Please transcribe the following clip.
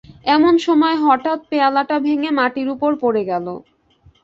এমন সময় হঠাৎ পেয়ালাটা ভেঙে মাটির উপর পড়ে গেল।